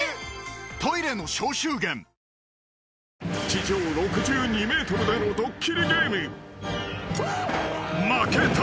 ［地上６２ｍでのドッキリゲーム］